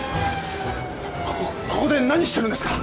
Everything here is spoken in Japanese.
こここで何してるんですか！？